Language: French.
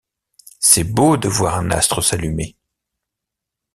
C’est beau de voir un astre s’allumer.